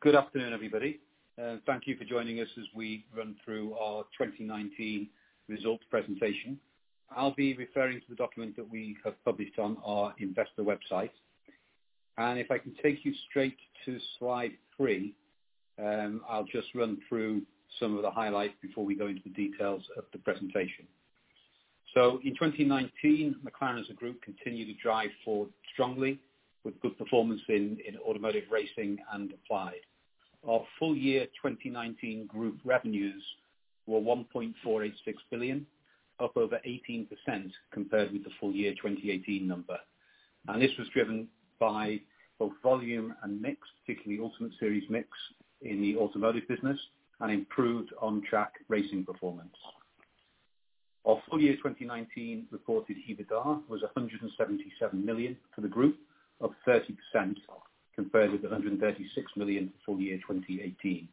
Good afternoon, everybody. Thank you for joining us as we run through our 2019 results presentation. I'll be referring to the document that we have published on our investor website. If I can take you straight to slide three, I'll just run through some of the highlights before we go into the details of the presentation. In 2019, McLaren, as a group, continued to drive forward strongly with good performance in automotive racing and applied. Our full-year 2019 group revenues were 1.486 billion, up over 18% compared with the full-year 2018 number. This was driven by both volume and mix, particularly Ultimate Series mix in the automotive business, and improved on-track racing performance. Our full-year 2019 reported EBITDA was 177 million for the group, up 30% compared with 136 million full-year 2018.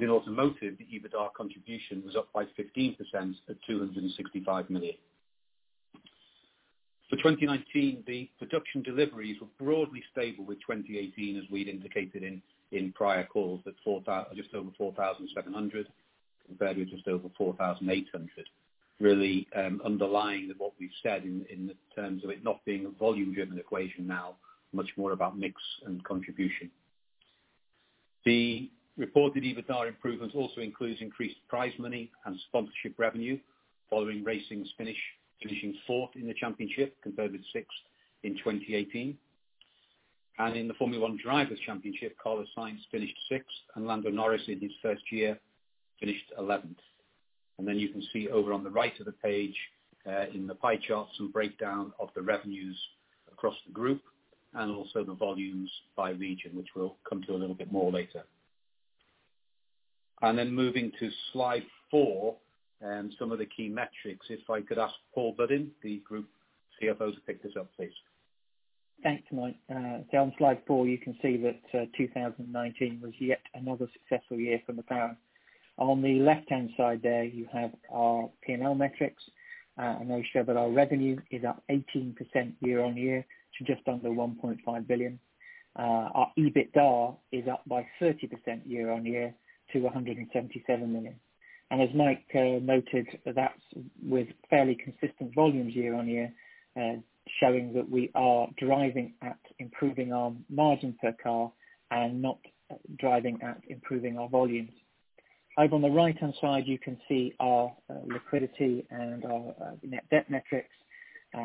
In automotive, the EBITDA contribution was up by 15% at 265 million. For 2019, the production deliveries were broadly stable with 2018, as we'd indicated in prior calls at just over 4,700 compared with just over 4,800. Really underlying what we've said in terms of it not being a volume-driven equation now, much more about mix and contribution. The reported EBITDA improvements also includes increased prize money and sponsorship revenue following racing finishing fourth in the championship, compared with sixth in 2018. In the Formula One Drivers' Championship, Carlos Sainz finished sixth and Lando Norris, in his first year, finished 11th. You can see over on the right of the page, in the pie chart, some breakdown of the revenues across the group and also the volumes by region, which we'll come to a little bit more later. Moving to slide four and some of the key metrics, if I could ask Paul Buddin, the Group CFO, to pick this up, please. Thanks, Mike. Down slide four, you can see that 2019 was yet another successful year for McLaren. On the left-hand side there, you have our P&L metrics. They show that our revenue is up 18% year-on-year to just under 1.5 billion. Our EBITDA is up by 30% year-on-year to 177 million. As Mike noted, that's with fairly consistent volumes year-on-year, showing that we are driving at improving our margin per car and not driving at improving our volumes. Over on the right-hand side, you can see our liquidity and our net debt metrics.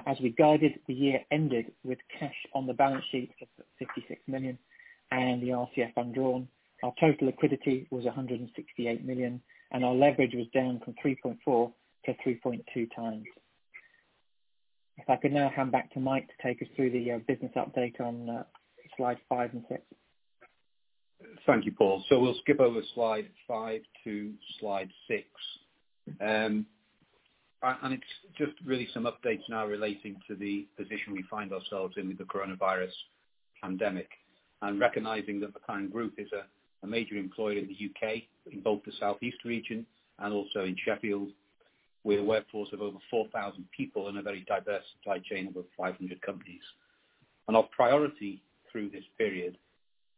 As we guided, the year ended with cash on the balance sheet of 56 million and the RCF undrawn. Our total liquidity was 168 million, and our leverage was down from 3.4 to 3.2x. If I could now hand back to Mike to take us through the business update on slides five and six. Thank you, Paul. We'll skip over slide five to slide six. It's just really some updates now relating to the position we find ourselves in with the coronavirus pandemic and recognizing that McLaren Group is a major employer in the U.K. in both the South East region and also in Sheffield, with a workforce of over 4,000 people and a very diverse supply chain of over 500 companies. Our priority through this period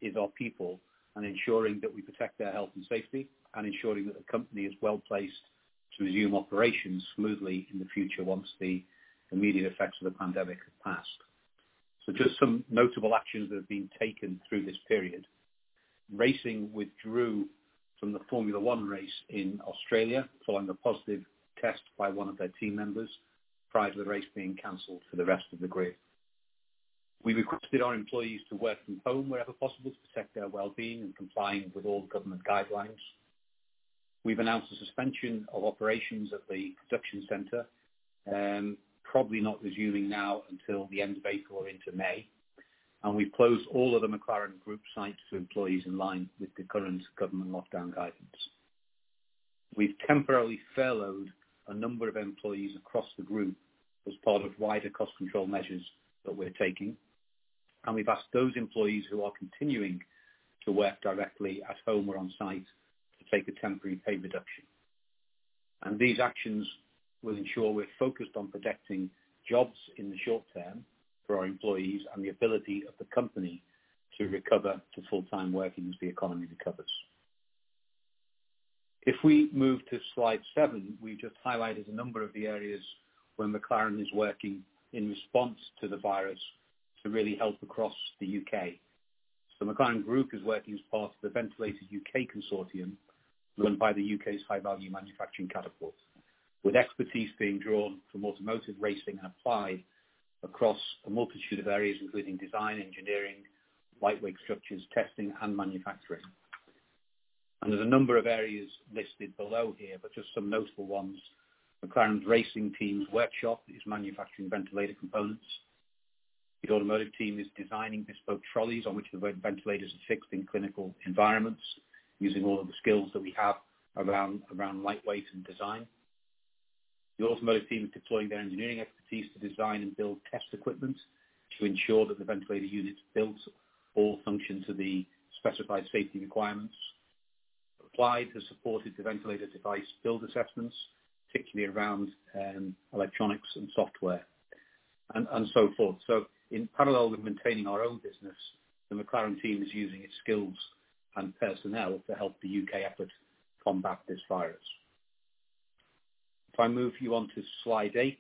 is our people and ensuring that we protect their health and safety and ensuring that the company is well-placed to resume operations smoothly in the future once the immediate effects of the pandemic have passed. Just some notable actions that have been taken through this period. Racing withdrew from the Formula One race in Australia following a positive test by one of their team members, prior to the race being canceled for the rest of the grid. We requested our employees to work from home wherever possible to protect their well-being and complying with all government guidelines. We've announced the suspension of operations at the production center, probably not resuming now until the end of April into May. We closed all of the McLaren Group sites to employees in line with the current government lockdown guidance. We've temporarily furloughed a number of employees across the group as part of wider cost control measures that we're taking, and we've asked those employees who are continuing to work directly at home or on-site to take a temporary pay reduction. These actions will ensure we're focused on protecting jobs in the short term for our employees and the ability of the company to recover to full-time working as the economy recovers. If we move to slide seven, we just highlighted a number of the areas where McLaren is working in response to the virus to really help across the U.K. McLaren Group is working as part of the Ventilator Challenge U.K., run by the U.K.'s High Value Manufacturing Catapult, with expertise being drawn from automotive racing and applied across a multitude of areas, including design, engineering, lightweight structures, testing, and manufacturing. There's a number of areas listed below here, but just some notable ones. McLaren's racing team's workshop is manufacturing ventilator components. The automotive team is designing bespoke trolleys on which the ventilators are fixed in clinical environments using all of the skills that we have around lightweight and design. The automotive team is deploying their engineering expertise to design and build test equipment to ensure that the ventilator units built all function to the specified safety requirements. Applied has supported the ventilator device build assessments, particularly around electronics and software and so forth. In parallel with maintaining our own business, the McLaren team is using its skills and personnel to help the U.K. effort combat this virus. If I move you onto slide eight,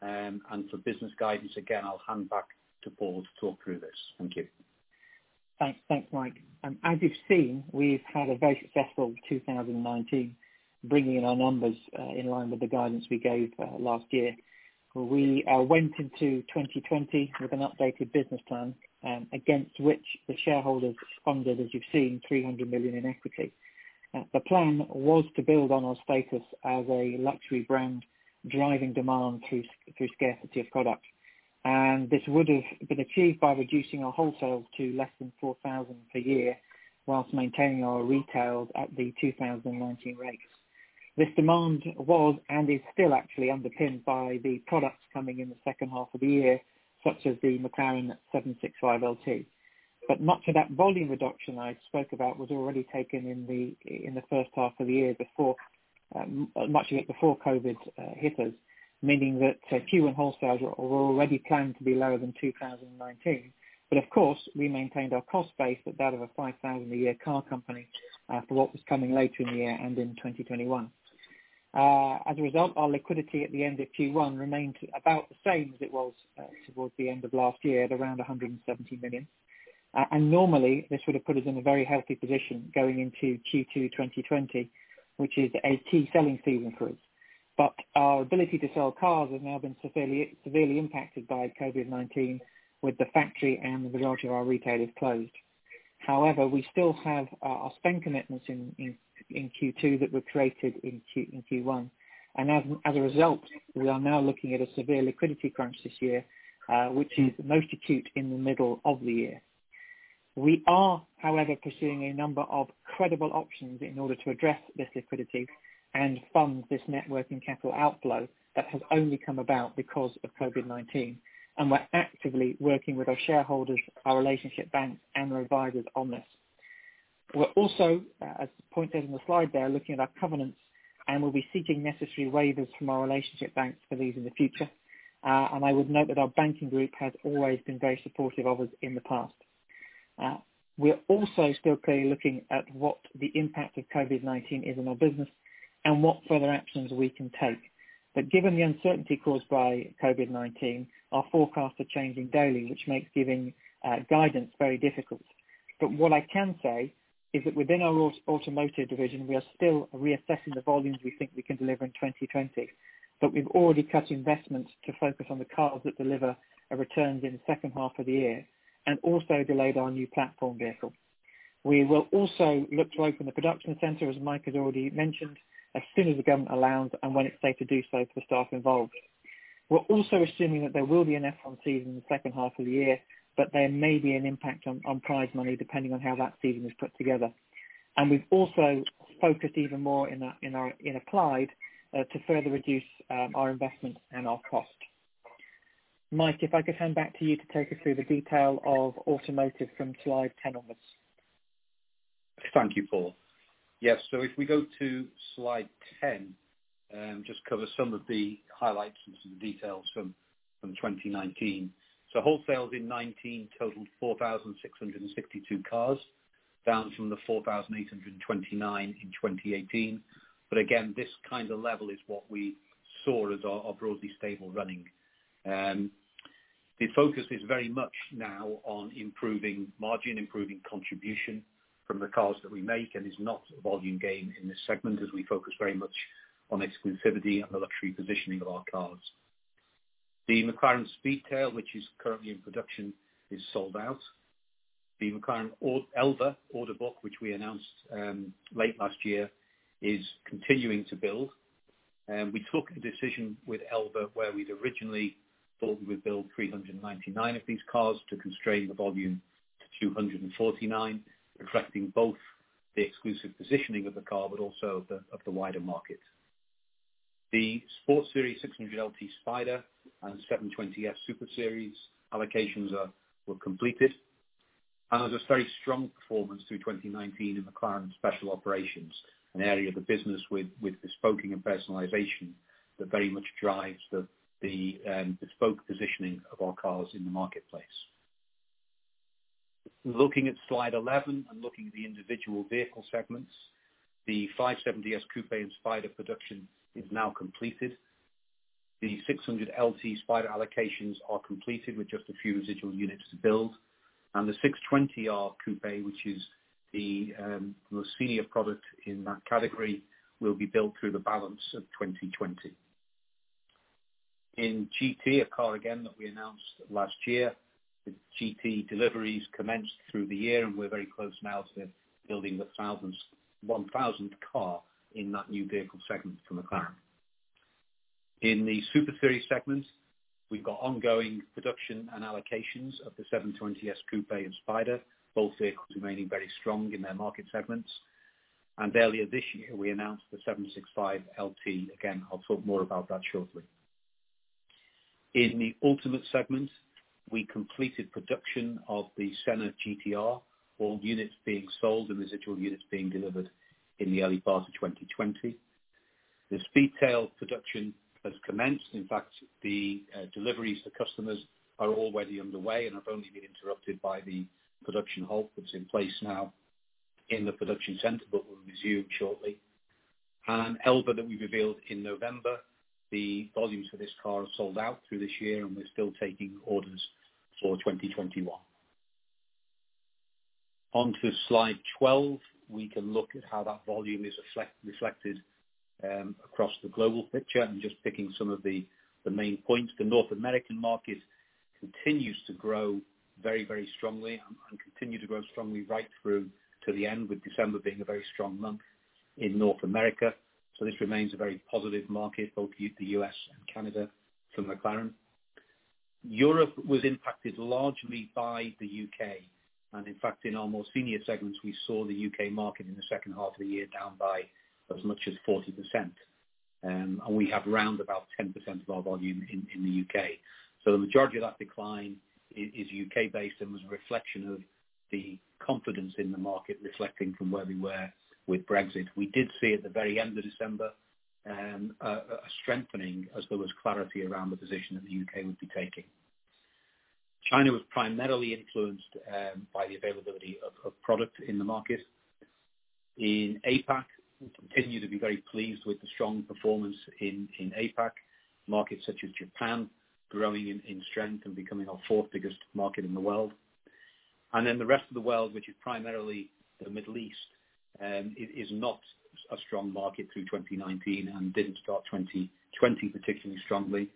and for business guidance, again, I'll hand back to Paul to talk through this. Thank you. Thanks, Mike. As you've seen, we've had a very successful 2019, bringing our numbers in line with the guidance we gave last year. We went into 2020 with an updated business plan, against which the shareholders funded, as you've seen, 300 million in equity. The plan was to build on our status as a luxury brand, driving demand through scarcity of product. This would have been achieved by reducing our wholesale to less than 4,000 per year, whilst maintaining our retails at the 2019 rates. This demand was, and is still actually underpinned by the products coming in the second half of the year, such as the McLaren 765LT. Much of that volume reduction I spoke about was already taken in the first half of the year, much of it before COVID hit us, meaning that Q1 wholesales were already planned to be lower than 2019. Of course, we maintained our cost base at that of a 5,000 a year car company for what was coming later in the year and in 2021. As a result, our liquidity at the end of Q1 remained about the same as it was towards the end of last year, at around 170 million. Normally, this would have put us in a very healthy position going into Q2 2020, which is a key selling season for us. Our ability to sell cars has now been severely impacted by COVID-19, with the factory and the majority of our retailers closed. However, we still have our spend commitments in Q2 that were created in Q1, and as a result, we are now looking at a severe liquidity crunch this year, which is most acute in the middle of the year. We are, however, pursuing a number of credible options in order to address this liquidity and fund this net working capital outflow that has only come about because of COVID-19. We're actively working with our shareholders, our relationship banks, and our advisors on this. We're also, as pointed in the slide there, looking at our covenants, and we'll be seeking necessary waivers from our relationship banks for these in the future. I would note that our banking group has always been very supportive of us in the past. We're also still clearly looking at what the impact of COVID-19 is on our business and what further actions we can take. Given the uncertainty caused by COVID-19, our forecasts are changing daily, which makes giving guidance very difficult. What I can say is that within our automotive division, we are still reassessing the volumes we think we can deliver in 2020. We've already cut investments to focus on the cars that deliver a return in the second half of the year and also delayed our new platform vehicle. We will also look to open the production center, as Mike has already mentioned, as soon as the government allows and when it's safe to do so for the staff involved. We're also assuming that there will be an F1 season in the second half of the year, but there may be an impact on prize money, depending on how that season is put together. We've also focused even more in Applied to further reduce our investment and our cost. Mike, if I could hand back to you to take us through the detail of automotive from slide 10 onwards. Thank you, Paul. Yes. If we go to slide 10, just cover some of the highlights and some details from 2019. Wholesales in 2019 totaled 4,662 cars, down from the 4,829 in 2018. Again, this kind of level is what we saw as our broadly stable running. The focus is very much now on improving margin, improving contribution from the cars that we make, and is not a volume game in this segment, as we focus very much on exclusivity and the luxury positioning of our cars. The McLaren Speedtail, which is currently in production, is sold out. The McLaren Elva order book, which we announced late last year, is continuing to build. We took a decision with Elva, where we'd originally thought we would build 399 of these cars to constrain the volume to 249, reflecting both the exclusive positioning of the car but also of the wider market. The Sports Series 600LT Spider and 720S Super Series allocations were completed. There's a very strong performance through 2019 in McLaren Special Operations, an area of the business with bespoking and personalization that very much drives the bespoke positioning of our cars in the marketplace. Looking at slide 11 and looking at the individual vehicle segments, the 570S Coupe and Spider production is now completed. The 600LT Spider allocations are completed with just a few residual units to build. The 620R Coupe, which is the most senior product in that category, will be built through the balance of 2020. In GT, a car again that we announced last year, the GT deliveries commenced through the year, and we're very close now to building the 1,000th car in that new vehicle segment for McLaren. In the Super Series segment, we've got ongoing production and allocations of the 720S Coupe and Spider, both vehicles remaining very strong in their market segments. Earlier this year, we announced the 765LT. Again, I'll talk more about that shortly. In the Ultimate Series segment, we completed production of the Senna GTR, all units being sold and residual units being delivered in the early part of 2020. The Speedtail production has commenced. In fact, the deliveries to customers are already underway and have only been interrupted by the production halt that's in place now in the production center, but will resume shortly. Elva that we revealed in November, the volumes for this car have sold out through this year, and we're still taking orders for 2021. On to slide 12. We can look at how that volume is reflected across the global picture and just picking some of the main points. The North American market continues to grow very strongly and continued to grow strongly right through to the end, with December being a very strong month in North America. This remains a very positive market, both the U.S. and Canada, for McLaren. Europe was impacted largely by the U.K., and in fact, in our more senior segments, we saw the U.K. market in the second half of the year down by as much as 40%, and we have round about 10% of our volume in the U.K. The majority of that decline is U.K. based and was a reflection of the confidence in the market reflecting from where we were with Brexit. We did see at the very end of December a strengthening as there was clarity around the position that the U.K. would be taking. China was primarily influenced by the availability of product in the market. In APAC, we continue to be very pleased with the strong performance in APAC. Markets such as Japan growing in strength and becoming our fourth biggest market in the world. The rest of the world, which is primarily the Middle East, it is not a strong market through 2019 and didn't start 2020 particularly strongly.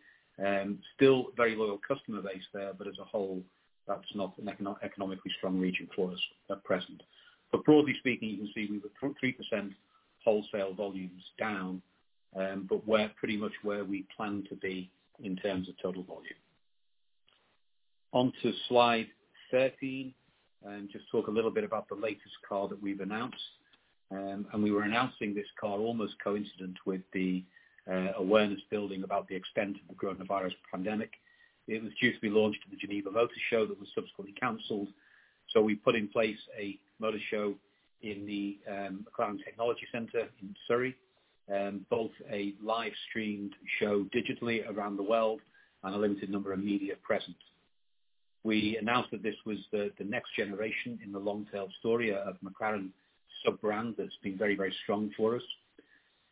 Still very loyal customer base there, but as a whole, that's not an economically strong region for us at present. Broadly speaking, you can see we were 3% wholesale volumes down, but we're pretty much where we planned to be in terms of total volume. On to slide 13, just talk a little bit about the latest car that we've announced. We were announcing this car almost coincident with the awareness building about the extent of the coronavirus pandemic. It was due to be launched at the Geneva Motor Show that was subsequently canceled. We put in place a motor show in the McLaren Technology Center in Surrey, both a live-streamed show digitally around the world and a limited number of media present. We announced that this was the next generation in the Longtail story of McLaren sub-brand that's been very strong for us.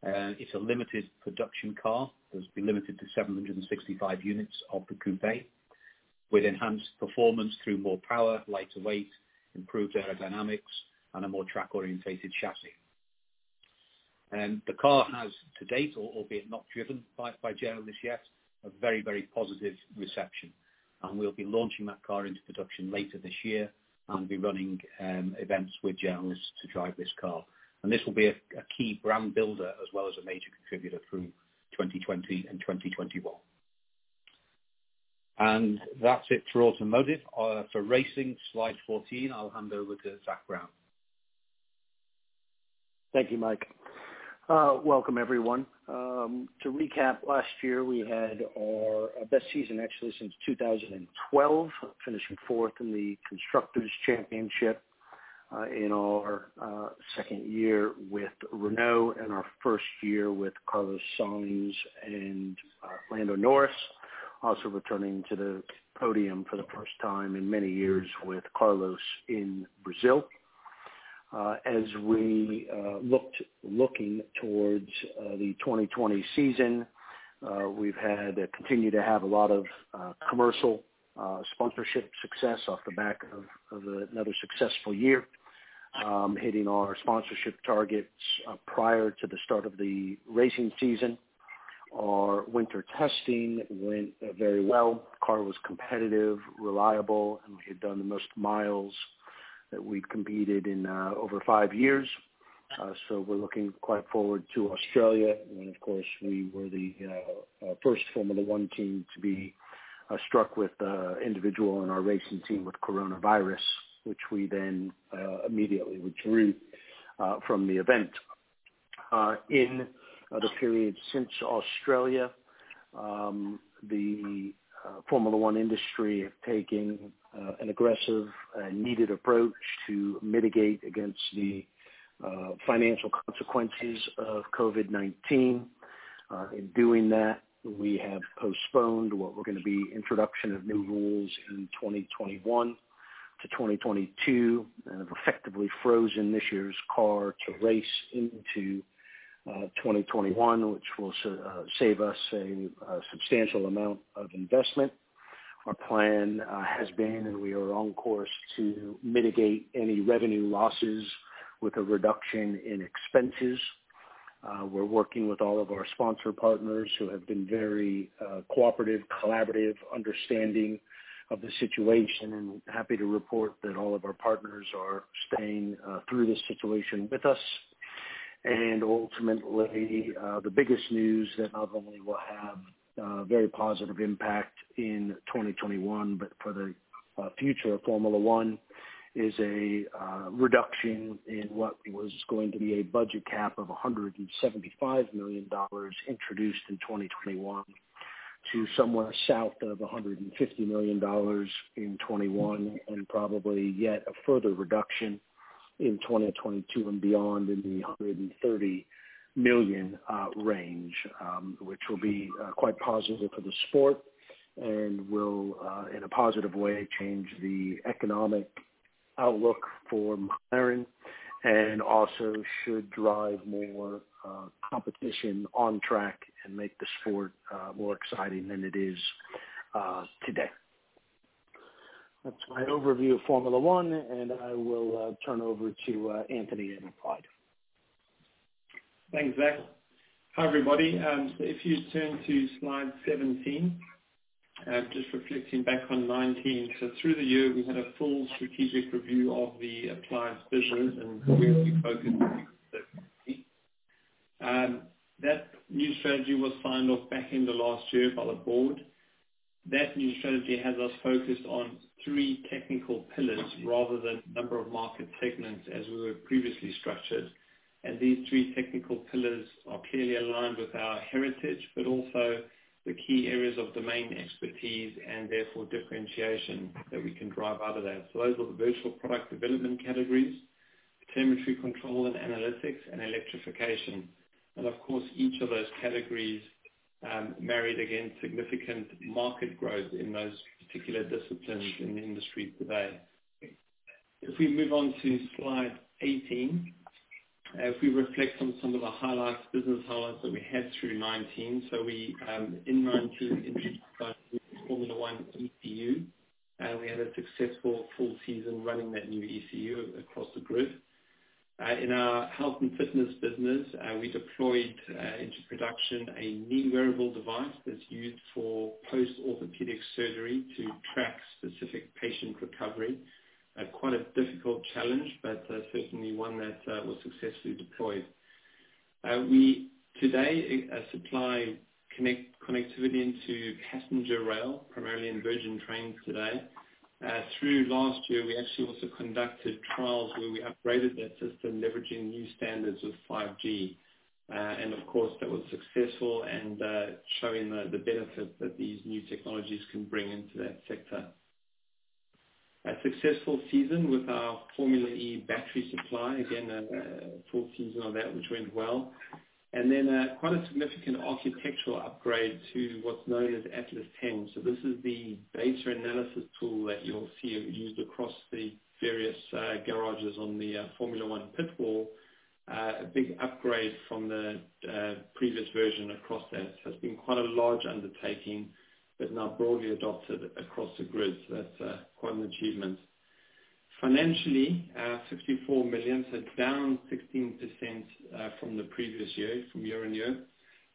It's a limited production car that's been limited to 765 units of the coupe with enhanced performance through more power, lighter weight, improved aerodynamics, and a more track-oriented chassis. The car has to date, albeit not driven by journalists yet, a very positive reception. We'll be launching that car into production later this year and be running events with journalists to drive this car. This will be a key brand builder as well as a major contributor through 2020 and 2021. That's it for Automotive. For Racing, slide 14, I'll hand over to Zak Brown. Thank you, Mike. Welcome everyone. To recap, last year, we had our best season actually since 2012, finishing fourth in the Constructors' Championship, in our second year with Renault and our first year with Carlos Sainz and Lando Norris. Also returning to the podium for the first time in many years with Carlos in Brazil. As we looking towards the 2020 season, we've continued to have a lot of commercial sponsorship success off the back of another successful year, hitting our sponsorship targets prior to the start of the racing season. Our winter testing went very well. Car was competitive, reliable, and we had done the most miles that we'd competed in over five years. We're looking quite forward to Australia. Of course, we were the first Formula One team to be struck with an individual in our racing team with coronavirus, which we then immediately withdrew from the event. In the period since Australia, the Formula One industry have taken an aggressive and needed approach to mitigate against the financial consequences of COVID-19. In doing that, we have postponed what were going to be introduction of new rules in 2021 to 2022 and have effectively frozen this year's car to race into 2021, which will save us a substantial amount of investment. Our plan has been, and we are on course to mitigate any revenue losses with a reduction in expenses. We're working with all of our sponsor partners who have been very cooperative, collaborative, understanding of the situation and happy to report that all of our partners are staying through this situation with us. Ultimately, the biggest news that not only will have a very positive impact in 2021, but for the future of Formula One is a reduction in what was going to be a budget cap of $175 million introduced in 2021 to somewhere south of $150 million in 2021, and probably yet a further reduction in 2022 and beyond in the $130 million range, which will be quite positive for the sport and will, in a positive way, change the economic outlook for McLaren and also should drive more competition on track and make the sport more exciting than it is today. That's my overview of Formula One, and I will turn over to Anthony and Paul. Thanks, Zak. Hi, everybody. If you turn to slide 17, just reflecting back on 2019. Through the year, we had a full strategic review of the applied vision and where we focus. That new strategy was signed off back in the last year by the board. That new strategy has us focused on 3 technical pillars rather than number of market segments as we were previously structured. These 3 technical pillars are clearly aligned with our heritage, but also the key areas of domain expertise and therefore differentiation that we can drive out of that. Those are the virtual product development categories, telemetry control and analytics, and electrification. Of course, each of those categories married against significant market growth in those particular disciplines in the industry today. We move on to slide 18, if we reflect on some of the business highlights that we had through 2019. We, in 2019, introduced our new Formula One ECU, and we had a successful full season running that new ECU across the group. In our health and fitness business, we deployed into production a new wearable device that's used for post-orthopedic surgery to track specific patient recovery. Quite a difficult challenge, but certainly one that was successfully deployed. We today supply connectivity into passenger rail, primarily in Virgin Trains today. Through last year, we actually also conducted trials where we upgraded that system, leveraging new standards with 5G. Of course, that was successful and showing the benefit that these new technologies can bring into that sector. A successful season with our Formula E battery supply. Again, a full season of that, which went well. Quite a significant architectural upgrade to what's known as ATLAS 10. This is the data analysis tool that you'll see used across the various garages on the Formula One pit wall. A big upgrade from the previous version across that. It's been quite a large undertaking, but now broadly adopted across the grid. That's quite an achievement. Financially, 64 million, so down 16% from the previous year, from year on year,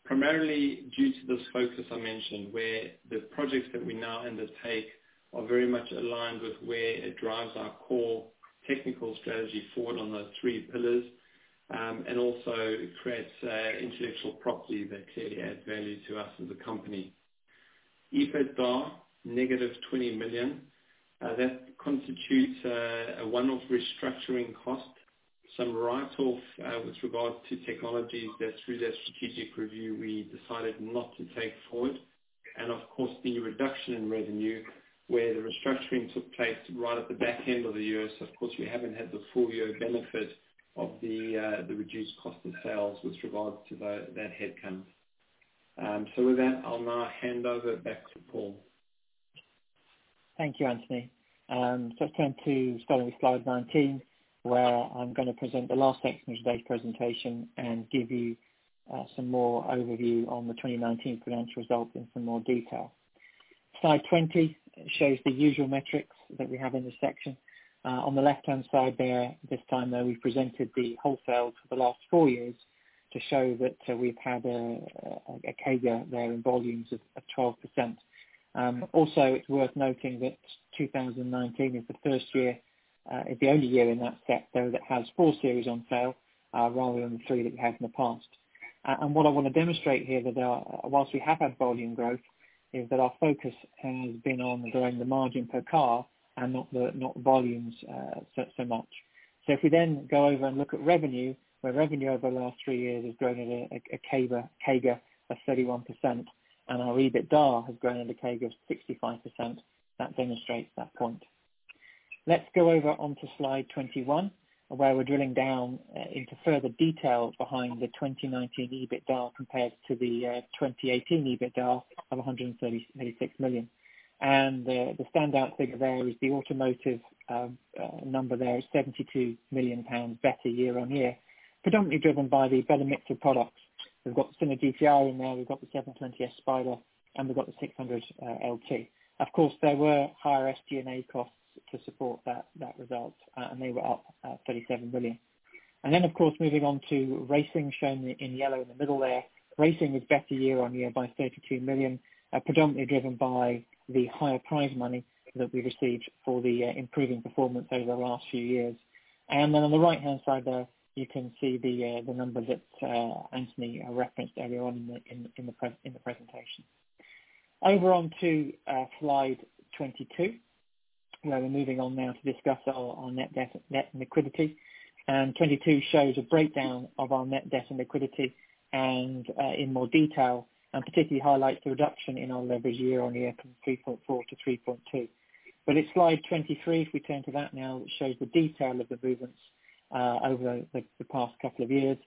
primarily due to this focus I mentioned where the projects that we now undertake are very much aligned with where it drives our core technical strategy forward on those three pillars, and also creates intellectual property that clearly adds value to us as a company. EBITDA negative 20 million. That constitutes a one-off restructuring cost, some write-offs with regard to technologies that through that strategic review we decided not to take forward, and of course, the reduction in revenue where the restructuring took place right at the back end of the year. Of course, we haven't had the full-year benefit of the reduced cost of sales with regards to that headcount. With that, I'll now hand over back to Paul. Thank you, Anthony. Turn to starting with slide 19, where I'm going to present the last section of today's presentation and give you some more overview on the 2019 financial results in some more detail. Slide 20 shows the usual metrics that we have in this section. On the left-hand side there, this time though, we presented the wholesales for the last four years to show that we've had a CAGR there in volumes of 12%. Also, it's worth noting that 2019 is the only year in that set though that has four series on sale, rather than three that we had in the past. What I want to demonstrate here that whilst we have had volume growth, is that our focus has been on growing the margin per car and not volumes so much. If we then go over and look at revenue, where revenue over the last three years has grown at a CAGR of 31%, and our EBITDA has grown at a CAGR of 65%, that demonstrates that point. Let's go over onto slide 21, where we're drilling down into further detail behind the 2019 EBITDA compared to the 2018 EBITDA of 136 million. The standout figure there is the automotive number there is 72 million pounds better year-on-year, predominantly driven by the better mix of products. We've got Senna GTR in there, we've got the 720S Spider, and we've got the 600LT. Of course, there were higher SG&A costs to support that result, and they were up at 37 million. Then, of course, moving on to racing, shown in yellow in the middle there. Racing was better year-on-year by 32 million, predominantly driven by the higher prize money that we received for the improving performance over the last few years. On the right-hand side there, you can see the number that Anthony referenced earlier on in the presentation. Over on to slide 22, where we're moving on now to discuss our net debt, net liquidity. 22 shows a breakdown of our net debt and liquidity in more detail, and particularly highlights the reduction in our leverage year-on-year from 3.4 to 3.2. It's slide 23, if we turn to that now, which shows the detail of the movements over the past couple of years.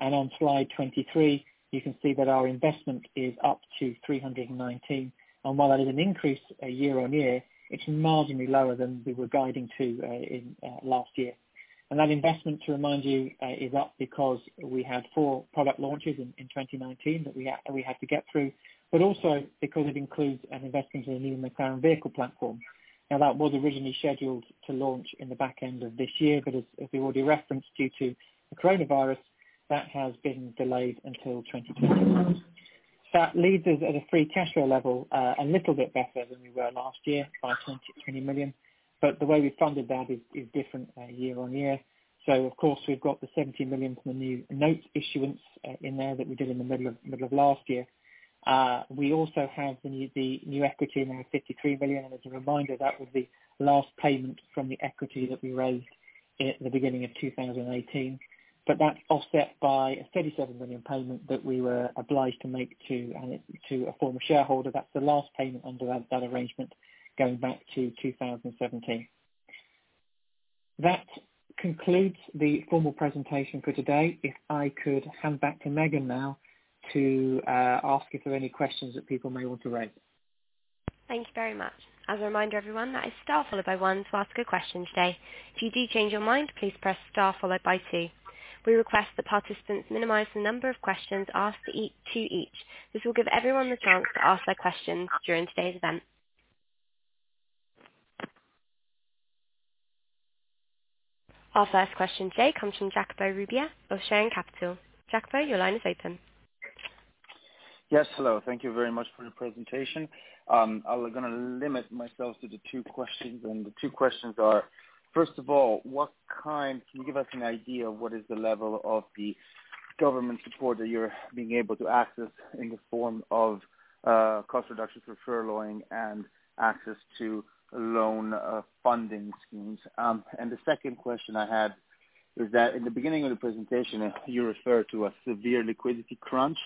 On slide 23, you can see that our investment is up to 319. While that is an increase year-on-year, it's marginally lower than we were guiding to in last year. That investment, to remind you, is up because we had four product launches in 2019 that we had to get through, but also because it includes an investment in the new McLaren vehicle platform. That was originally scheduled to launch in the back end of this year, but as we already referenced, due to the COVID-19, that has been delayed until 2022. That leaves us at a free cash flow level, a little bit better than we were last year by 20 million. The way we funded that is different year-on-year. We've got the 70 million from the new note issuance in there that we did in the middle of last year. We also have the new equity, now 53 million. As a reminder, that was the last payment from the equity that we raised at the beginning of 2018. That's offset by a 37 million payment that we were obliged to make to a former shareholder. That's the last payment under that arrangement going back to 2017. That concludes the formal presentation for today. If I could hand back to Megan now to ask if there are any questions that people may want to raise. Thank you very much. As a reminder, everyone, that is star followed by one to ask a question today. If you do change your mind, please press star followed by two. We request that participants minimize the number of questions asked to each. This will give everyone the chance to ask their questions during today's event. Our first question today comes from Jacco Rubia of Och-Ziff Capital. Jacco, your line is open. Yes. Hello. Thank you very much for the presentation. I was going to limit myself to the two questions. The two questions are: first of all, can you give us an idea of what is the level of the government support that you're being able to access in the form of cost reductions for furloughing and access to loan funding schemes? The second question I had is that in the beginning of the presentation, you referred to a severe liquidity crunch.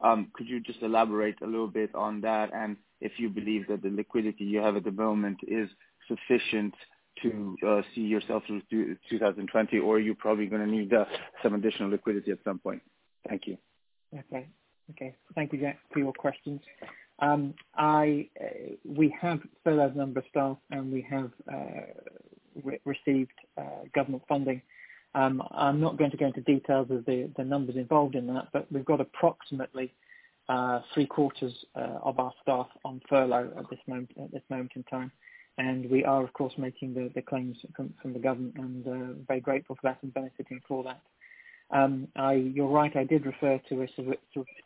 Could you just elaborate a little bit on that and if you believe that the liquidity you have at the moment is sufficient to see yourself through 2020, or are you probably going to need some additional liquidity at some point? Thank you. Thank you, Jacco, for your questions. We have furloughed a number of staff. We have received government funding. I'm not going to go into details of the numbers involved in that. We've got approximately three-quarters of our staff on furlough at this moment in time. We are, of course, making the claims from the government and very grateful for that and benefiting from that. You're right, I did refer to a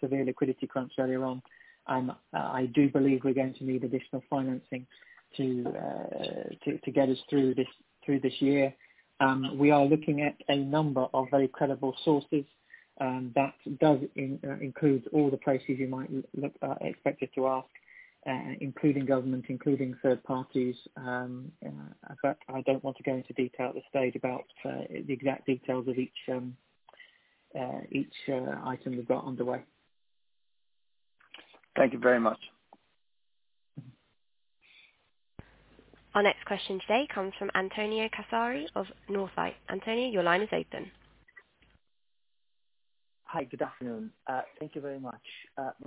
severe liquidity crunch earlier on. I do believe we're going to need additional financing to get us through this year. We are looking at a number of very credible sources. That does include all the places you might expect us to ask, including government, including third parties. I don't want to go into detail at this stage about the exact details of each item we've got underway. Thank you very much. Our next question today comes from Antonio Casari of Northlight. Antonio, your line is open. Hi. Good afternoon. Thank you very much.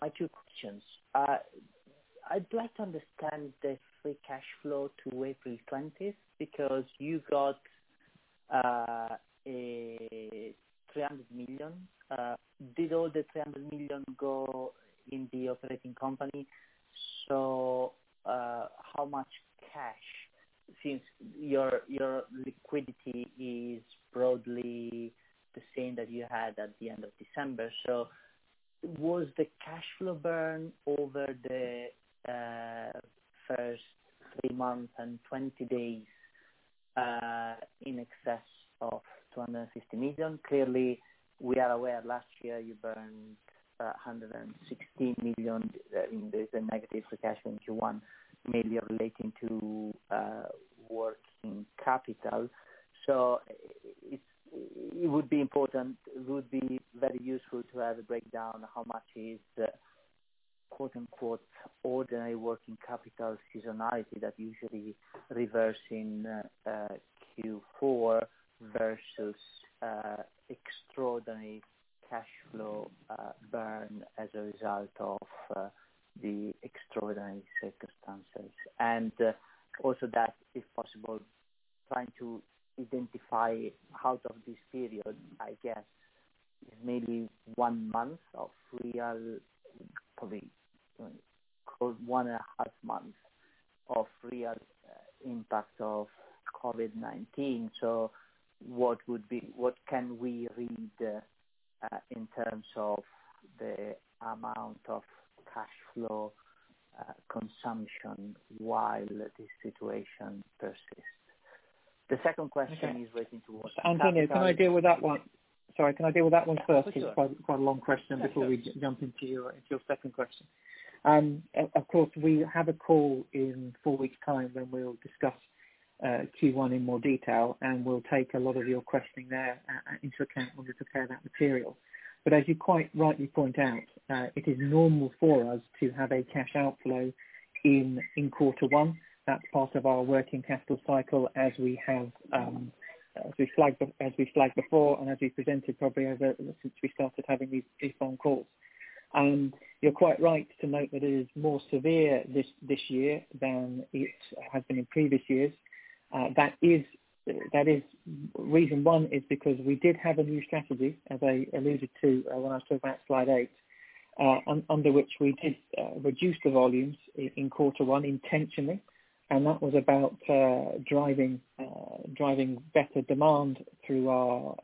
My two questions. I'd like to understand the free cash flow to April 20th because you got 300 million. Did all the 300 million go in the operating company? How much cash, since your liquidity is broadly the same that you had at the end of December. Was the cash flow burn over the first three months and 20 days in excess of 250 million? Clearly, we are aware last year you burned 116 million in the negative free cash in Q1, mainly relating to working capital. It would be very useful to have a breakdown how much is the "ordinary working capital seasonality" that usually reverse in Q4 versus extraordinary cash flow burn as a result of the extraordinary circumstances. Also that, if possible, trying to identify out of this period, I guess maybe one month of real, one and a half months of real impact of COVID-19. What can we read in terms of the amount of cash flow consumption while this situation persists? The second question is relating to. Antonio, can I deal with that one? Sorry, can I deal with that one first? For sure. It's quite a long question, before we jump into your second question. Of course, we have a call in four weeks time when we'll discuss Q1 in more detail, and we'll take a lot of your questioning there into account when we prepare that material. As you quite rightly point out, it is normal for us to have a cash outflow in quarter one. That's part of our working capital cycle as we've flagged before and as we presented probably ever since we started having these phone calls. You're quite right to note that it is more severe this year than it has been in previous years. Reason one is because we did have a new strategy, as I alluded to when I was talking about slide eight, under which we did reduce the volumes in quarter one intentionally, and that was about driving better demand through our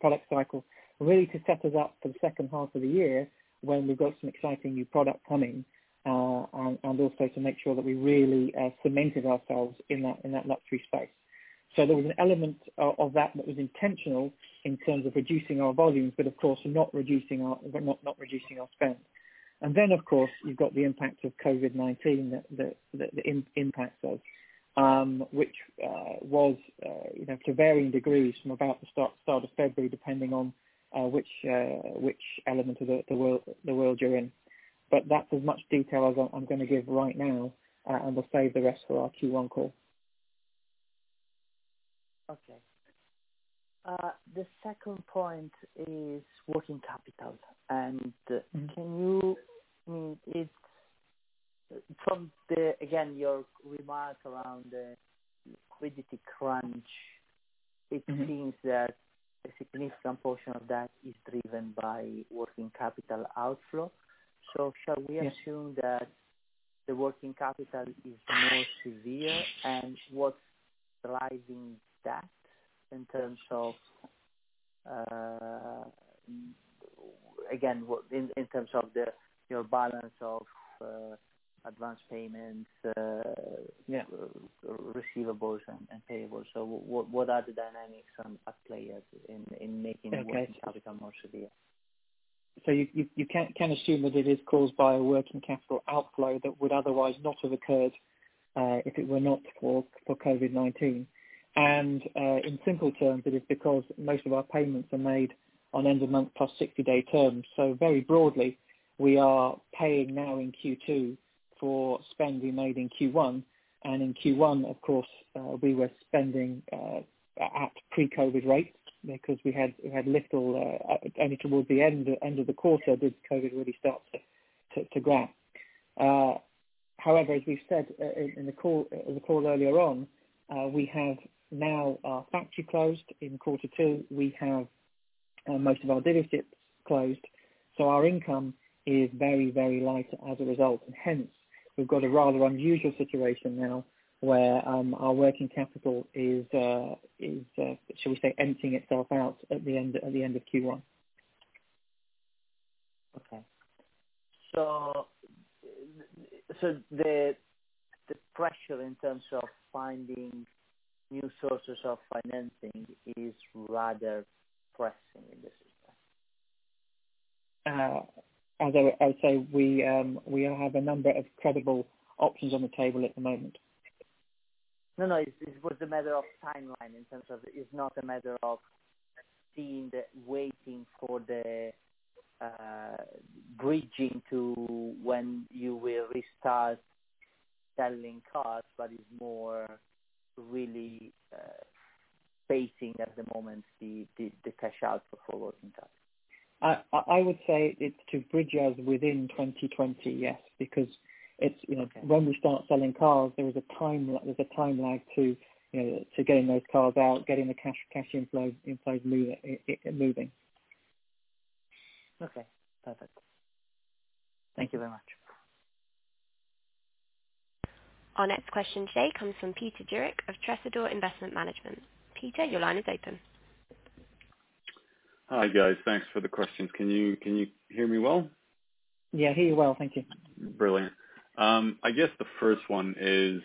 product cycle, really to set us up for the second half of the year when we've got some exciting new product coming, and also to make sure that we really cemented ourselves in that luxury space. There was an element of that that was intentional in terms of reducing our volumes, but of course not reducing our spend. Of course, you've got the impact of COVID-19, the impact of which was to varying degrees from about the start of February, depending on which element of the world you're in. That's as much detail as I'm going to give right now, and we'll save the rest for our Q1 call. Okay. The second point is working capital. From, again, your remarks around the liquidity crunch. It seems that a significant portion of that is driven by working capital outflow. Shall we assume that the working capital is more severe? What's driving that in terms of your balance of advanced payments? Receivables and payables? What are the dynamics at play in working capital more severe? You can assume that it is caused by a working capital outflow that would otherwise not have occurred if it were not for COVID-19. In simple terms, it is because most of our payments are made on end of month plus 60-day terms. Very broadly, we are paying now in Q2 for spend we made in Q1. In Q1, of course, we were spending at pre-COVID rates because only towards the end of the quarter did COVID really start to grab. However, as we've said in the call earlier on, we have now our factory closed in quarter two. We have most of our dealerships closed. Our income is very, very light as a result, and hence, we've got a rather unusual situation now where our working capital is, shall we say, emptying itself out at the end of Q1. Okay. The pressure in terms of finding new sources of financing is rather pressing in this regard? As I say, we have a number of credible options on the table at the moment. No. It was a matter of timeline in terms of it is not a matter of waiting for the bridging to when you will restart selling cars, but is more really facing at the moment the cash out for working capital. I would say it's to bridge us within 2020, yes, because when we start selling cars, there is a time lag to getting those cars out, getting the cash inflows moving. Okay. Perfect. Thank you very much. Our next question today comes from Peter Jurik of Tresidor Investment Management. Peter, your line is open. Hi, guys. Thanks for the questions. Can you hear me well? Yeah, hear you well. Thank you. Brilliant. I guess the first one is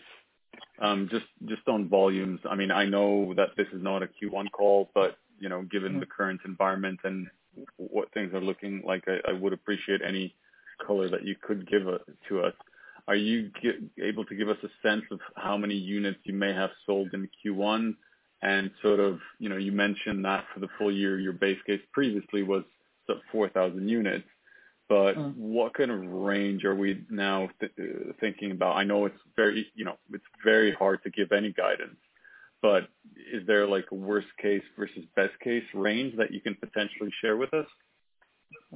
just on volumes. I know that this is not a Q1 call, but given the current environment and what things are looking like, I would appreciate any color that you could give to us. Are you able to give us a sense of how many units you may have sold in Q1? You mentioned that for the full-year, your base case previously was 4,000 units. What kind of range are we now thinking about? I know it's very hard to give any guidance, but is there a worst case versus best case range that you can potentially share with us?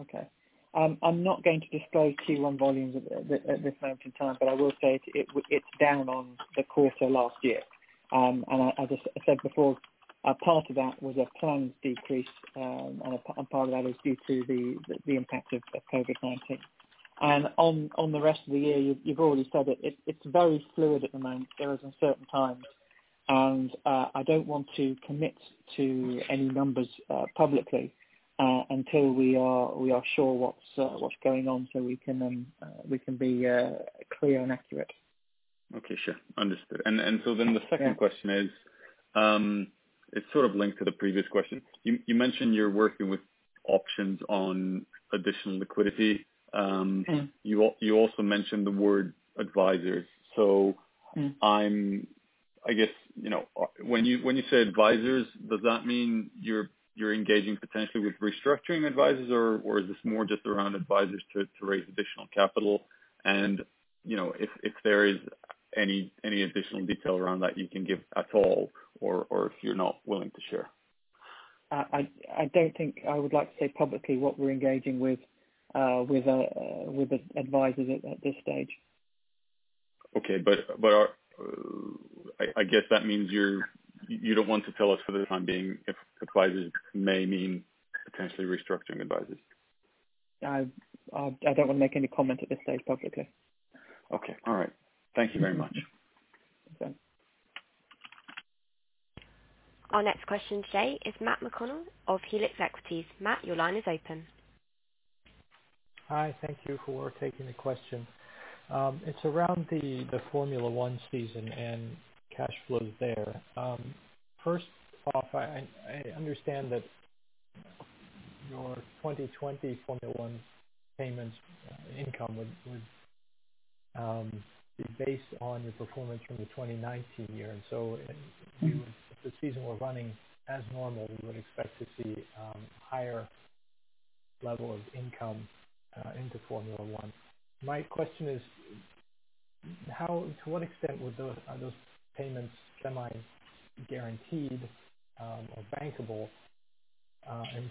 Okay. I'm not going to disclose Q1 volumes at this moment in time, but I will say it's down on the quarter last year. As I said before, a part of that was a planned decrease, and a part of that is due to the impact of COVID-19. On the rest of the year, you've already said it. It's very fluid at the moment. There is uncertain times, and I don't want to commit to any numbers publicly until we are sure what's going on so we can be clear and accurate. Okay, sure. Understood. The second question is, it's sort of linked to the previous question. You mentioned you're working with options on additional liquidity. You also mentioned the word advisors. I guess when you say advisors, does that mean you're engaging potentially with restructuring advisors, or is this more just around advisors to raise additional capital? If there is any additional detail around that you can give at all, or if you're not willing to share. I don't think I would like to say publicly what we're engaging with advisors at this stage. Okay. I guess that means you don't want to tell us for the time being if advisors may mean potentially restructuring advisors? I don't want to make any comment at this stage publicly. Okay. All right. Thank you very much. Okay. Our next question today is Matt McConnell of Helix Equities. Matt, your line is open. Hi. Thank you for taking the question. It is around the Formula One season and cash flows there. First off, I understand that your 2020 Formula One payments income would be based on the performance from the 2019 year. If the season were running as normal, we would expect to see higher level of income into Formula One. My question is, to what extent are those payments semi-guaranteed or bankable?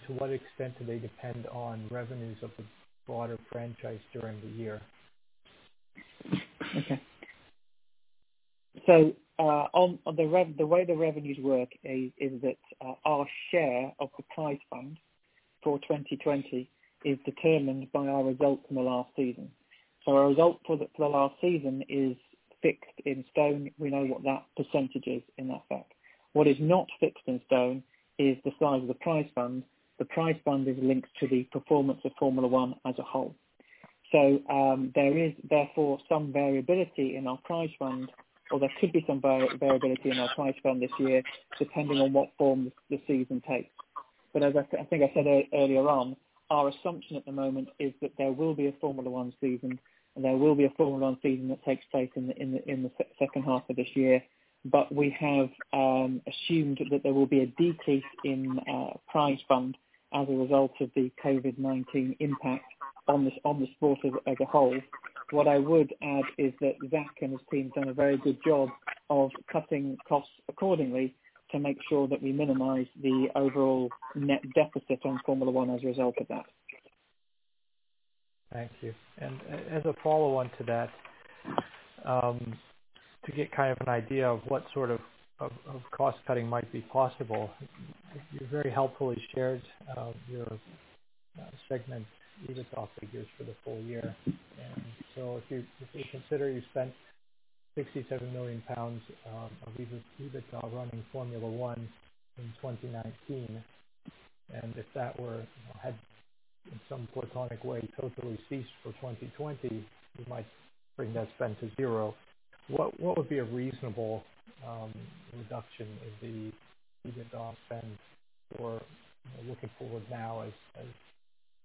To what extent do they depend on revenues of the broader franchise during the year? Okay. The way the revenues work is that our share of the prize fund for 2020 is determined by our result from the last season. Our result for the last season is fixed in stone. We know what that percentage is in that effect. What is not fixed in stone is the size of the prize fund. The prize fund is linked to the performance of Formula One as a whole. There is therefore some variability in our prize fund, or there could be some variability in our prize fund this year, depending on what form the season takes. As I think I said earlier on, our assumption at the moment is that there will be a Formula One season, and there will be a Formula One season that takes place in the second half of this year. We have assumed that there will be a decrease in prize fund as a result of the COVID-19 impact on the sport as a whole. What I would add is that Zak and his team have done a very good job of cutting costs accordingly to make sure that we minimize the overall net deficit on Formula One as a result of that. Thank you. As a follow-on to that, to get kind of an idea of what sort of cost cutting might be possible, you very helpfully shared your segment EBITDA figures for the full-year. If you consider you spent 67 million pounds of EBITDA running Formula One in 2019, and if that had in some platonic way totally ceased for 2020, you might bring that spend to zero. What would be a reasonable reduction in the EBITDA spend? Looking forward now as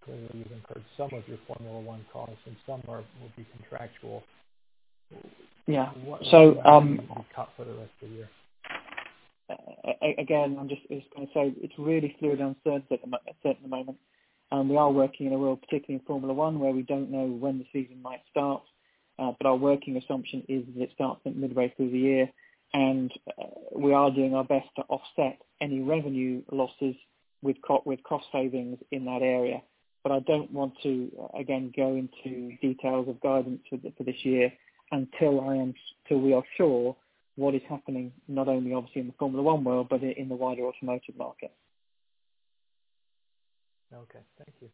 clearly you've incurred some of your Formula One costs and some will be contractual. Yeah. What can be cut for the rest of the year? Again, I'm just going to say it's really fluid uncertain at the moment. We are working in a world, particularly in Formula One, where we don't know when the season might start. Our working assumption is that it starts at midway through the year. We are doing our best to offset any revenue losses with cost savings in that area. I don't want to, again, go into details of guidance for this year until we are sure what is happening, not only obviously in the Formula One world, but in the wider automotive market. Okay. Thank you.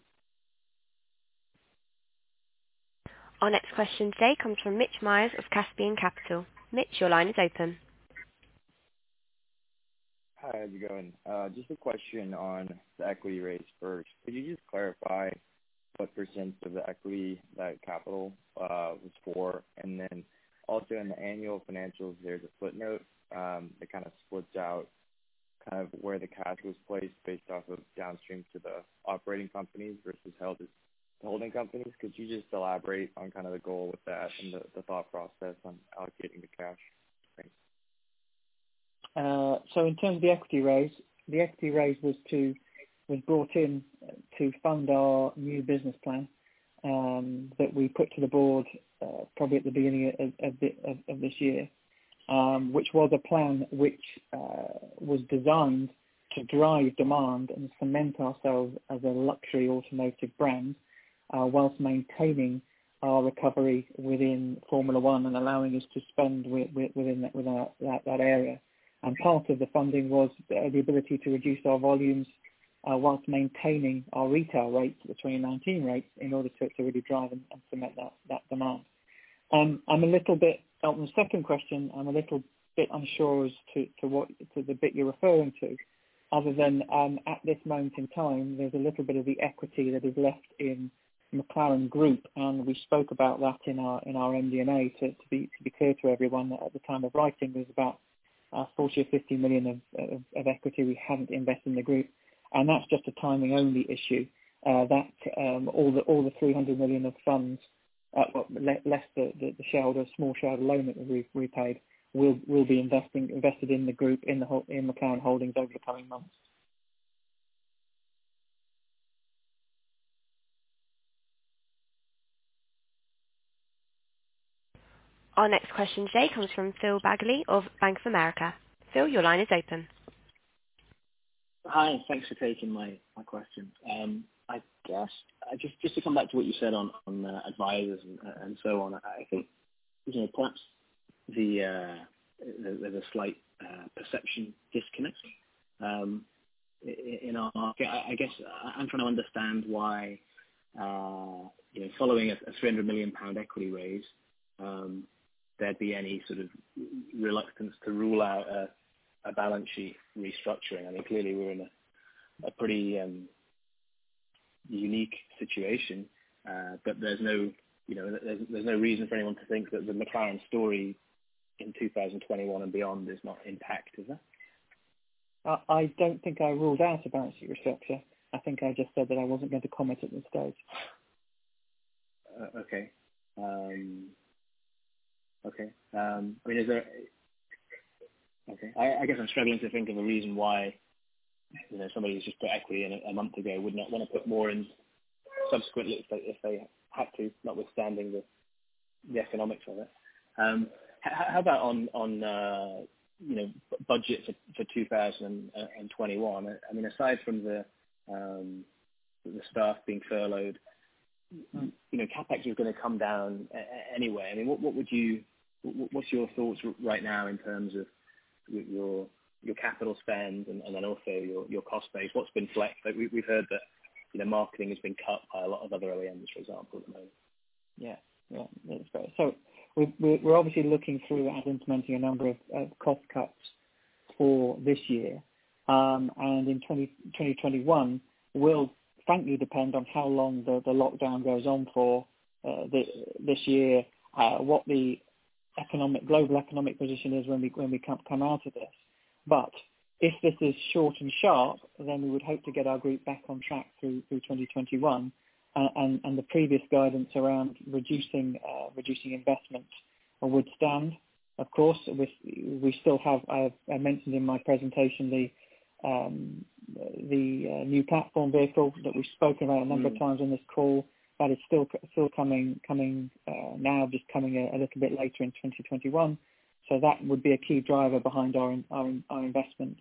Our next question today comes from Mitch Myers of Caspian Capital. Mitch, your line is open. Hi, how's it going? Just a question on the equity raise first. Could you just clarify what % of the equity that capital was for? Also in the annual financials, there's a footnote that kind of splits out kind of where the cash was placed based off of downstream to the operating companies versus holding companies. Could you just elaborate on kind of the goal with that and the thought process on allocating the cash? Thanks. In terms of the equity raise, the equity raise was brought in to fund our new business plan that we put to the board probably at the beginning of this year. A plan which was designed to drive demand and cement ourselves as a luxury automotive brand, whilst maintaining our recovery within Formula One and allowing us to spend within that area. Part of the funding was the ability to reduce our volumes whilst maintaining our retail rates, the 2019 rates, in order to really drive and cement that demand. On the second question, I'm a little bit unsure as to the bit you're referring to. At this moment in time, there's a little bit of the equity that is left in McLaren Group, and we spoke about that in our MD&A, to be clear to everyone that at the time of writing there was about 40 million or 50 million of equity we haven't invested in the group. That's just a timing-only issue. All the 300 million of funds, less the small shareholder loan that was repaid, will be invested in the group in McLaren Holdings over the coming months. Our next question today comes from Phil Bagguley of Bank of America. Phil, your line is open. Hi, thanks for taking my question. Just to come back to what you said on advisors and so on, I think perhaps there's a slight perception disconnect in our market. I guess I'm trying to understand why following a 300 million pound equity raise, there'd be any sort of reluctance to rule out a balance sheet restructuring. I mean, clearly we're in a pretty unique situation, there's no reason for anyone to think that the McLaren story in 2021 and beyond is not intact, is it? I don't think I ruled out a balance sheet restructure. I think I just said that I wasn't going to comment at this stage. Okay. I guess I'm struggling to think of a reason why somebody who's just put equity in a month ago would not want to put more in subsequently if they had to, notwithstanding the economics of it. How about on budgets for 2021? Aside from the staff being furloughed, CapEx was going to come down anyway. What's your thoughts right now in terms of your capital spend and then also your cost base? What's been flexed? We've heard that marketing has been cut by a lot of other OEMs, for example, at the moment. Yeah. We're obviously looking through at implementing a number of cost cuts for this year. In 2021 will frankly depend on how long the lockdown goes on for this year, what the global economic position is when we come out of this. If this is short and sharp, then we would hope to get our Group back on track through 2021. The previous guidance around reducing investment would stand. Of course, we still have, I mentioned in my presentation, the new platform vehicle that we've spoken about a number of times on this call, that is still coming now, just coming a little bit later in 2021. That would be a key driver behind our investment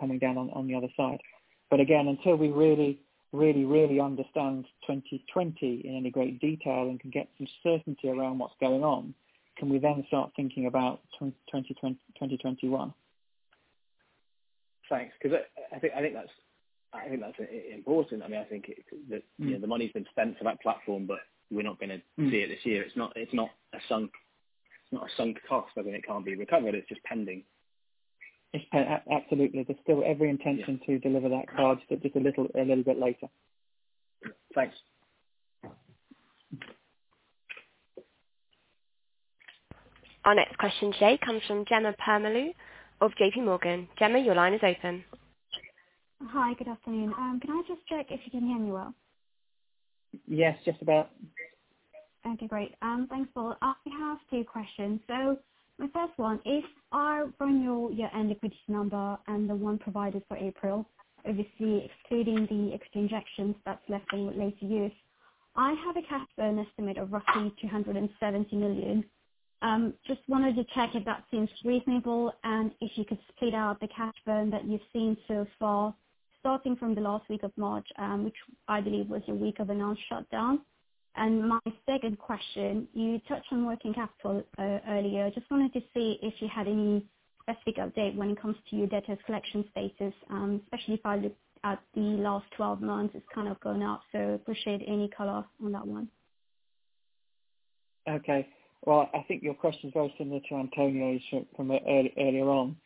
coming down on the other side. Again, until we really understand 2020 in any great detail and can get some certainty around what's going on, can we then start thinking about 2021. Thanks. I think that's important. I think the money's been spent for that platform. We're not going to see it this year. It's not a sunk cost, as in it can't be recovered. It's just pending. Absolutely. There's still every intention to deliver that car, but just a little bit later. Thanks. Our next question today comes from Jemma Permalloo of JPMorgan. Jemma, your line is open. Hi. Good afternoon. Can I just check if you can hear me well? Yes, just about. Okay, great. Thanks, Paul. I have two questions. My first one, if I run your year-end equity number and the one provided for April, obviously excluding the equity injections that's left in later years, I have a cash burn estimate of roughly 270 million. Just wanted to check if that seems reasonable and if you could split out the cash burn that you've seen so far, starting from the last week of March, which I believe was the week of announced shutdown. My second question, you touched on working capital earlier. Just wanted to see if you had any specific update when it comes to your debtors collection status, especially if I look at the last 12 months, it's kind of gone up, so appreciate any color on that one. Okay. Well, I think your question is very similar to Antonio's from earlier on.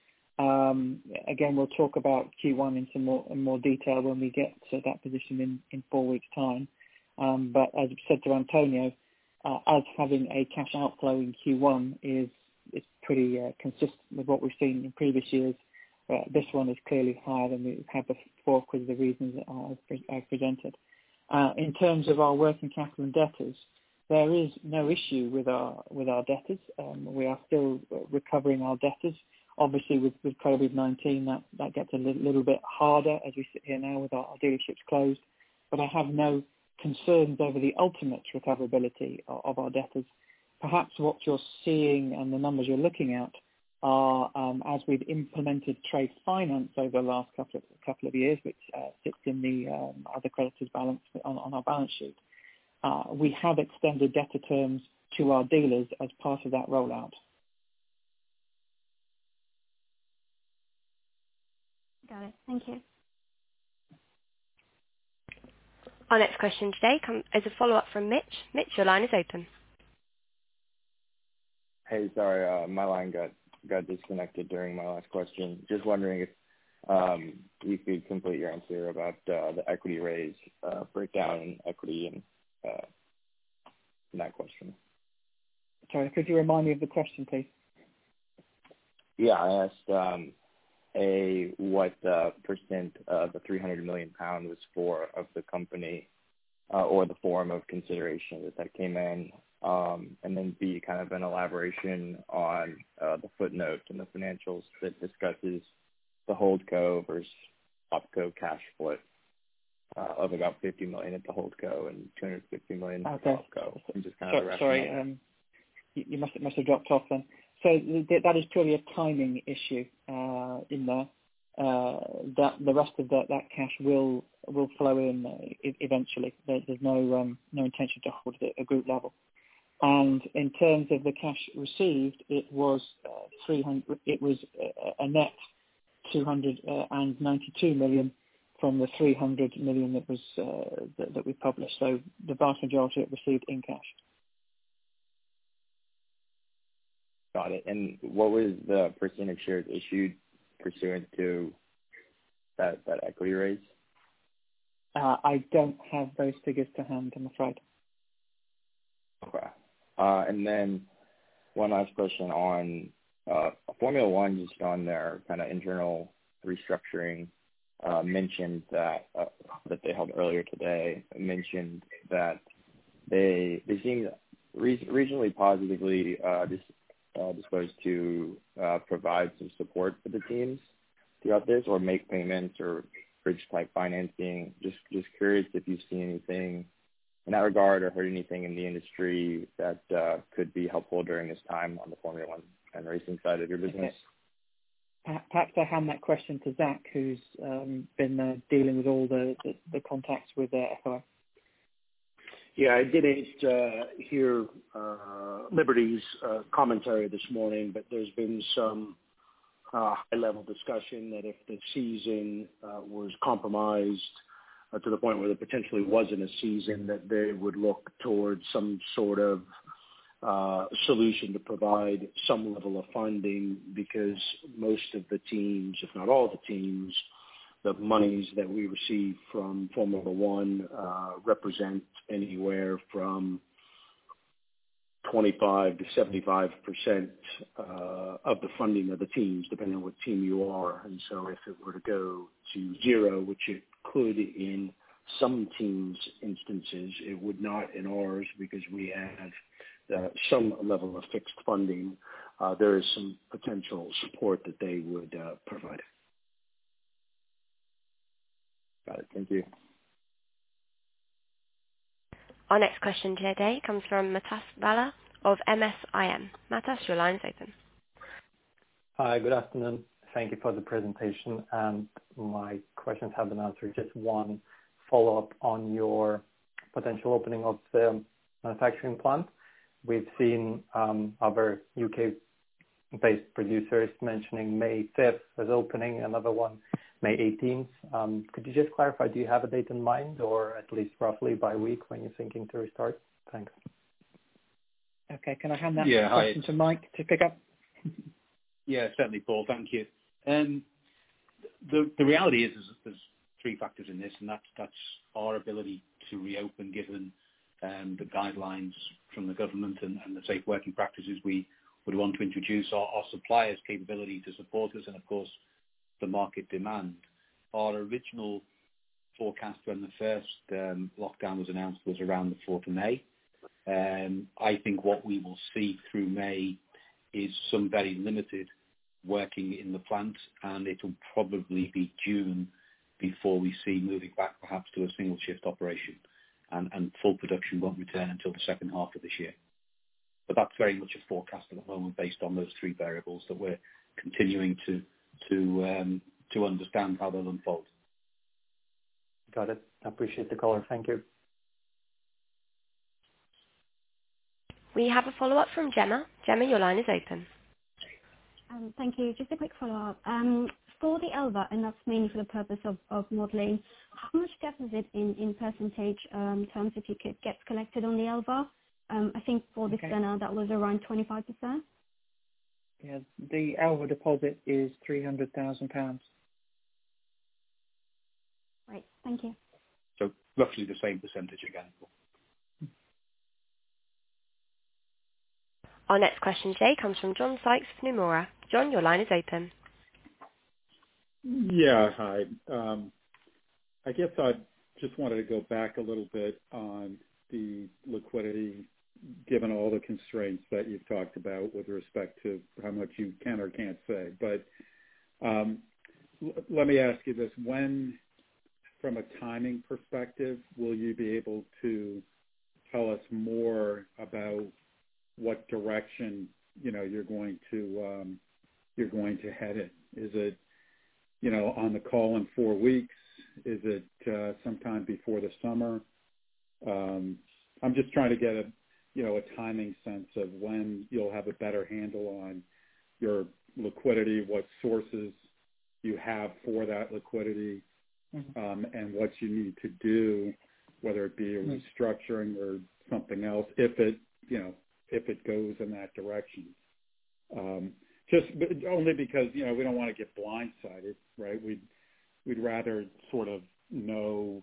Again, we'll talk about Q1 in more detail when we get to that position in four weeks' time. As I said to Antonio, us having a cash outflow in Q1 is pretty consistent with what we've seen in previous years. This one is clearly higher than we've had before because of the reasons that I presented. In terms of our working capital and debtors, there is no issue with our debtors. We are still recovering our debtors. Obviously, with COVID-19, that gets a little bit harder as we sit here now with our dealerships closed. I have no concerns over the ultimate recoverability of our debtors. Perhaps what you're seeing and the numbers you're looking at are as we've implemented trade finance over the last couple of years, which sits in the other creditors balance on our balance sheet. We have extended debtor terms to our dealers as part of that rollout. Got it. Thank you. Our next question today is a follow-up from Mitch. Mitch, your line is open. Hey, sorry. My line got disconnected during my last question. Just wondering if you could complete your answer about the equity raise, breakdown in equity and that question? Sorry, could you remind me of the question, please? Yeah. I asked, A, what % of the 300 million pounds was for of the company, or the form of consideration that came in. B, kind of an elaboration on the footnote in the financials that discusses the holdco versus opco cash split of about 50 million at the holdco and 250 million at the opco. Just kind of the rationale. Sorry. It must have dropped off then. That is purely a timing issue in there. The rest of that cash will flow in eventually. There's no intention to hold it at group level. In terms of the cash received, it was a net 292 million from the 300 million that we published. The vast majority are received in cash. Got it. What was the % shares issued pursuant to that equity raise? I don't have those figures to hand, I'm afraid. Okay. One last question on Formula One just on their kind of internal restructuring, that they held earlier today, mentioned that they seem reasonably positively disposed to provide some support for the teams throughout this, or make payments or bridge financing. Just curious if you've seen anything in that regard or heard anything in the industry that could be helpful during this time on the Formula One kind of racing side of your business. Perhaps I hand that question to Zak, who's been dealing with all the contacts with the FIA. I did hear Liberty's commentary this morning, there's been some high-level discussion that if the season was compromised to the point where there potentially wasn't a season, that they would look towards some sort of solution to provide some level of funding, because most of the teams, if not all the teams, the monies that we receive from Formula One represent anywhere from 25%-75% of the funding of the teams, depending on what team you are. If it were to go to zero, which it could in some teams' instances, it would not in ours because we have some level of fixed funding. There is some potential support that they would provide. Got it. Thank you. Our next question today comes from Matas Vala of MSIM. Matas, your line's open. Hi. Good afternoon. Thank you for the presentation. My questions have been answered. Just one follow-up on your potential opening of the manufacturing plant. We've seen other U.K.-based producers mentioning May 5th as opening another one May 18th. Could you just clarify, do you have a date in mind or at least roughly by week when you're thinking to restart? Thanks. Okay. Can I hand that? Yeah, hi. to Mike to pick up? Certainly, Paul. Thank you. The reality is there's three factors in this, and that's our ability to reopen given the guidelines from the government and the safe working practices we would want to introduce our suppliers' capability to support us and of course, the market demand. Our original forecast when the first lockdown was announced was around the fourth of May. I think what we will see through May is some very limited working in the plant, and it'll probably be June before we see moving back perhaps to a single shift operation. Full production won't return until the second half of this year. That's very much a forecast at the moment based on those three variables that we're continuing to understand how they'll unfold. Got it. I appreciate the call in. Thank you. We have a follow-up from Jemma. Jemma, your line is open. Thank you. Just a quick follow-up. For the Elva, and that's mainly for the purpose of modeling, how much capital is it in percentage terms if it gets collected on the Elva? I think for the Senna that was around 25%. Yeah. The Elva deposit is 300 thousand pounds. Great. Thank you. Roughly the same percentage again. Our next question today comes from John Sykes of Nomura. John, your line is open. Yeah. Hi. I guess I just wanted to go back a little bit on the liquidity, given all the constraints that you've talked about with respect to how much you can or can't say. Let me ask you this. When, from a timing perspective, will you be able to tell us more about what direction you're going to head in? Is it on the call in four weeks? Is it sometime before the summer? I'm just trying to get a timing sense of when you'll have a better handle on your liquidity, what sources you have for that liquidity. What you need to do, whether it be a restructuring or something else, if it goes in that direction. Only because we don't want to get blindsided. Right? We'd rather know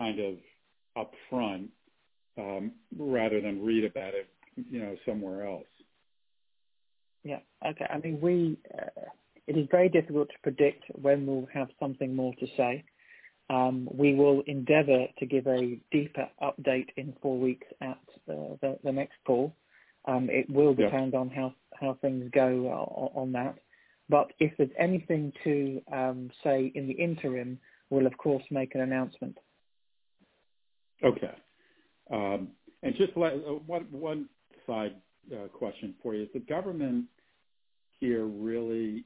upfront, rather than read about it somewhere else. Yeah. Okay. It is very difficult to predict when we'll have something more to say. We will endeavor to give a deeper update in four weeks at the next call. It will depend on how things go on that. If there's anything to say in the interim, we'll of course make an announcement. Okay. Just one side question for you. The government here, would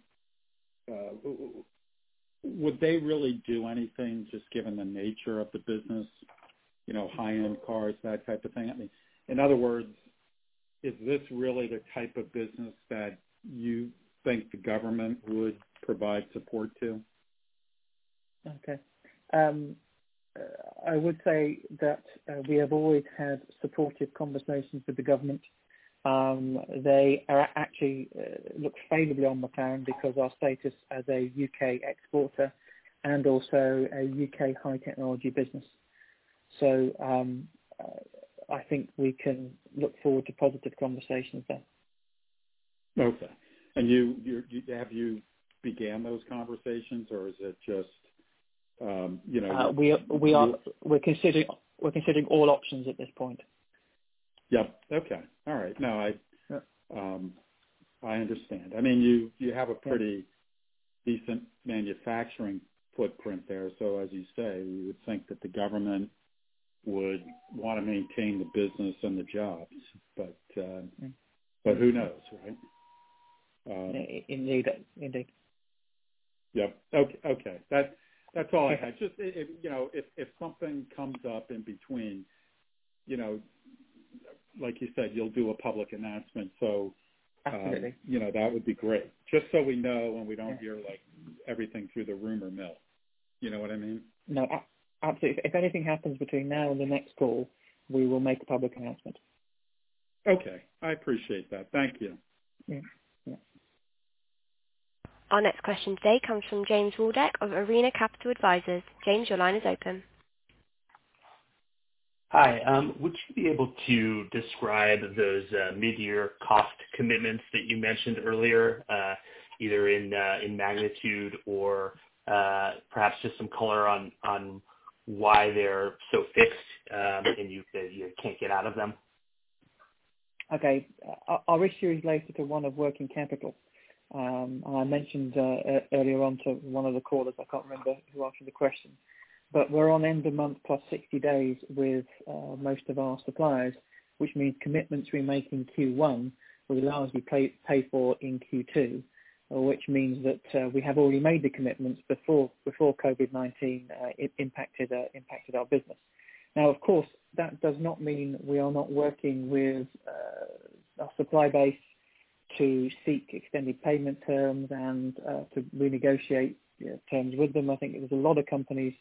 they really do anything, just given the nature of the business, high-end cars, that type of thing? In other words, is this really the type of business that you think the government would provide support to? Okay. I would say that we have always had supportive conversations with the government. They actually look favorably on McLaren because our status as a U.K. exporter and also a U.K. high technology business. I think we can look forward to positive conversations there. Okay. have you began those conversations or is it? We are considering all options at this point. Yep. Okay. All right. I understand. You have a pretty decent manufacturing footprint there, so as you say, you would think that the government would want to maintain the business and the jobs, but who knows, right? Indeed. Yep. Okay. That's all I had. Just if something comes up in between, like you said, you'll do a public announcement. Absolutely that would be great. Just so we know and we don't hear everything through the rumor mill. You know what I mean? No, absolutely. If anything happens between now and the next call, we will make a public announcement. Okay. I appreciate that. Thank you. Yeah. Our next question today comes from James Waldeck of Arena Capital Advisors. James, your line is open. Hi. Would you be able to describe those mid-year cost commitments that you mentioned earlier, either in magnitude or perhaps just some color on why they're so fixed and you said you can't get out of them? Okay. Our issue is related to one of working capital. I mentioned earlier on to one of the callers, I can't remember who asked the question. We're on end of month plus 60 days with most of our suppliers, which means commitments we make in Q1 will allow us to pay for in Q2, which means that we have already made the commitments before COVID-19 impacted our business. Now, of course, that does not mean we are not working with our supply base to seek extended payment terms and to renegotiate terms with them. I think there was a lot of companies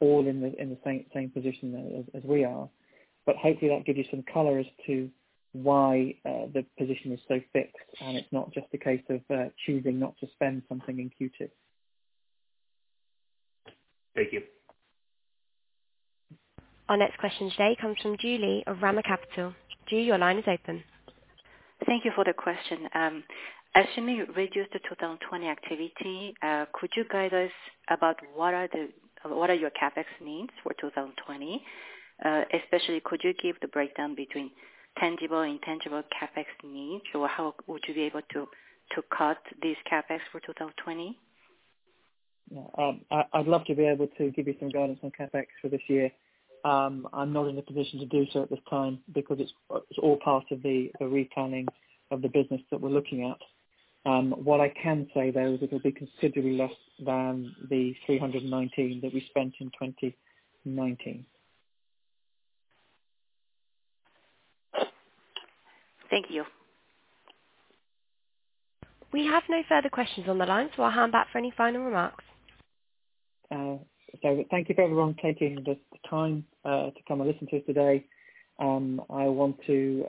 all in the same position as we are. Hopefully that gives you some color as to why the position is so fixed, and it's not just a case of choosing not to spend something in Q2. Thank you. Our next question today comes from Julie of Rama Capital. Julie, your line is open. Thank you for the question. As you may reduce the 2020 activity, could you guide us about what are your CapEx needs for 2020? Especially could you give the breakdown between tangible and intangible CapEx needs, or how would you be able to cut this CapEx for 2020? I'd love to be able to give you some guidance on CapEx for this year. I'm not in a position to do so at this time because it's all part of the replanning of the business that we're looking at. What I can say, though, is it'll be considerably less than the 319 that we spent in 2019. Thank you. We have no further questions on the line, so I'll hand back for any final remarks. Okay. Thank you for everyone taking the time to come and listen to us today. I want to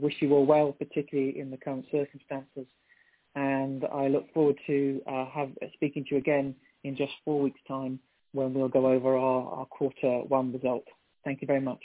wish you all well, particularly in the current circumstances, I look forward to speaking to you again in just four weeks time when we'll go over our quarter one results. Thank you very much.